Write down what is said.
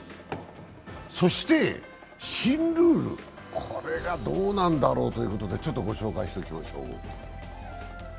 そして新ルール、これがどうなんだろうということでちょっとご紹介しておきましょう。